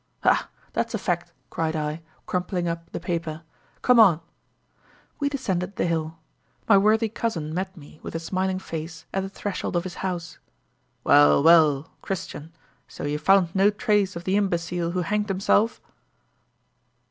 "Ha! That's a fact," cried I, crumpling up the paper, "come on." We descended the hill. My worthy cousin met me, with a smiling face, at the threshold of his house. "Well! well! Christian, so you've found no trace of the imbecile who hanged himself?"